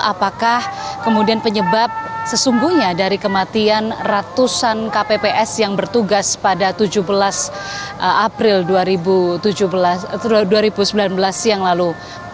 apakah kemudian penyebab sesungguhnya dari kematian ratusan kpps yang bertugas pada tujuh belas april dua ribu sembilan belas siang lalu